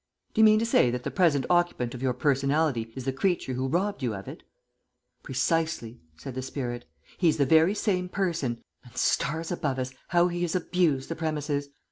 "Do you mean to say that the present occupant of your personality is the creature who robbed you of it?" "Precisely," said the spirit. "He's the very same person, and, stars above us, how he has abused the premises!